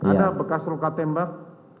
ada bekas luka tembak